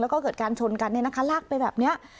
แล้วก็เกิดการชนกันเนี่ยนะคะลากไปแบบนี้